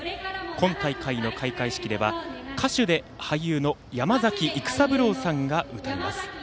今大会の開会式では歌手で俳優の山崎育三郎さんが歌います。